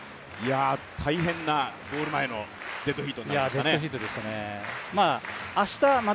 大変なゴール前のデッドヒートになりましたね。